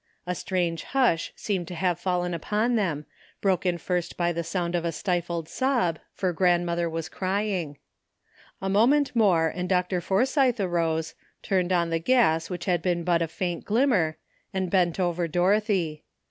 A strange hush seemed to have fallen upon them, broken first by the sound of a stifled sob, for grandmother was crying. A moment more and Dr. Forsythe arose, turned on the gas, which had been but a faint glimmer, and bent over Dorothy.